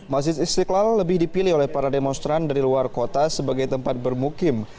masjid istiqlal lebih dipilih oleh para demonstran dari luar kota sebagai tempat bermukim